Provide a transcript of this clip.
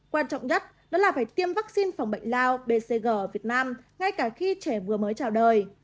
quan trọng nhất đó là phải tiêm vaccine phòng bệnh lao bcg ở việt nam ngay cả khi trẻ vừa mới chào đời